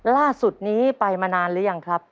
ล่าสุดนี้ไปมานานหรือยังครับ